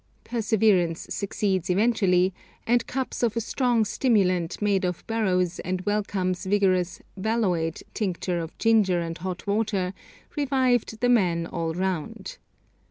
Perseverance succeeds eventually, and cups of a strong stimulant made of Burroughes and Wellcome's vigorous 'valoid' tincture of ginger and hot water, revived the men all round.